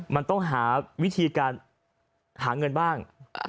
มันต้องหาวิธีการหาเงินบ้าง